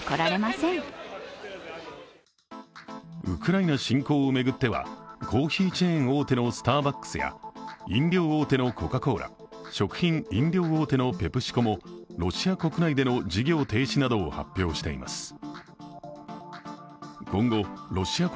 ウクライナ侵攻を巡ってはコーヒーチェーン大手のスターバックスや飲料大手のコカ・コーラ、食品・飲料大手のペプシコもロシア国内での事業停止などを発表しています。